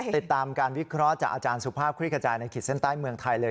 ติดตามการวิเคราะห์จากอาจารย์สุภาพคลิกขจายในขีดเส้นใต้เมืองไทยเลย